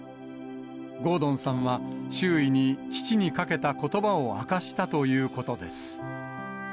郷敦さんは、周囲に、父にかけたことばを明かしたということです。